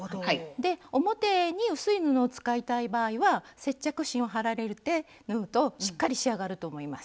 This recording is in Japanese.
で表に薄い布を使いたい場合は接着芯を貼られて縫うとしっかり仕上がると思います。